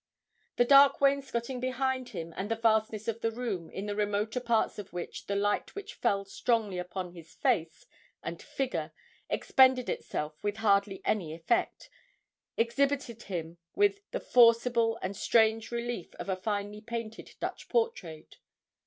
The dark wainscoting behind him, and the vastness of the room, in the remoter parts of which the light which fell strongly upon his face and figure expended itself with hardly any effect, exhibited him with the forcible and strange relief of a finely painted Dutch portrait.